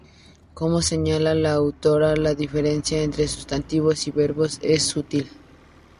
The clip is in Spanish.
Como señala la autora, la diferencia entre sustantivos y verbos es sutil.